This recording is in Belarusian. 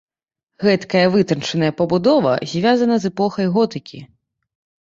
Гэтакая вытанчаная пабудова звязана з эпохай готыкі.